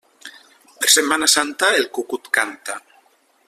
Per Setmana Santa, el cucut canta.